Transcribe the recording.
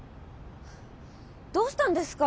どうしたんですか？